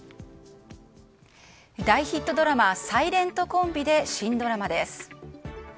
大ヒットドラマ「ｓｉｌｅｎｔ」コンビで新ドラマです。